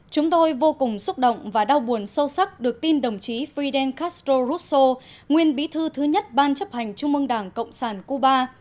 chúng tôi vô cùng xúc động và đau buồn sâu sắc được tin đồng chí fidel castro russo nguyên bí thư thứ nhất ban chấp hành trung mương đảng cộng sản cuba